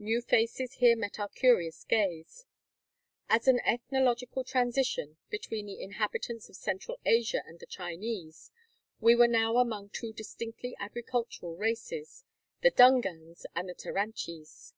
New faces here met our curious gaze. As an ethnological transition between the inhabitants of central Asia and the Chinese, we were now among two distinctly agricultural races — the Dungans and Taranchis.